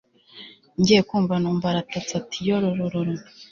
ngiye kumva numva aratatse ati yololololooo